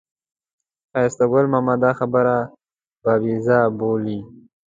ښایسته ګل ماما دا خبرې بابیزه بولي.